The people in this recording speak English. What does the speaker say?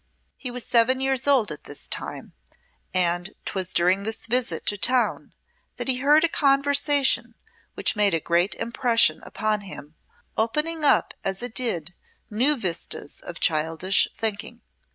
He was seven years old at this time, and 'twas during this visit to town that he heard a conversation which made a great impression upon him, opening up as it did new vistas of childish thinking.